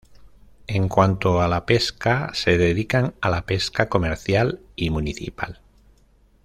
En cuanto a la pesca se dedican a la pesca comercial y municipal.